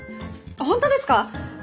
本当ですか！？